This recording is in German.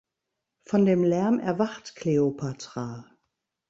Von dem Lärm erwacht Cleopatra.